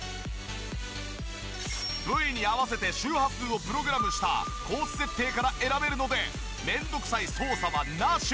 部位に合わせて周波数をプログラムしたコース設定から選べるので面倒くさい操作はなし。